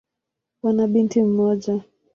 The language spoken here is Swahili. Wana binti mmoja.